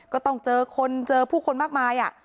ก็ต้องเจอคนเจอผู้คนมากมาย